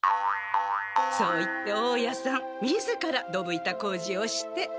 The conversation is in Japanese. そう言って大家さんみずから溝板工事をして。